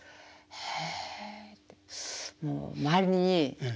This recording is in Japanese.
へえ。